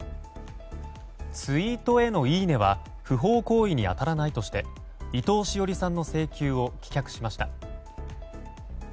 ツイートへのいいねは不法行為に当たらないとして伊藤詩織さんの請求を棄却しました。